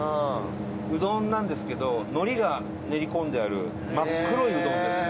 うどんなんですけど海苔が練り込んである真っ黒いうどんです。